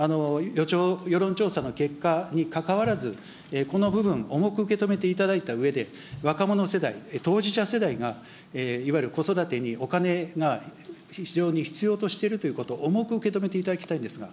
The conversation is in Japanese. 世論調査の結果にかかわらず、この部分、重く受け止めていただいたうえで、若者世代、当事者世代が、いわゆる子育てにお金が非常に必要としているということを重く受け止めていただきたいんですが。